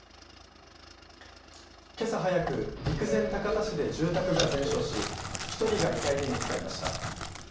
けさ早く、陸前高田市で住宅が全焼し１人が遺体で見つかりました。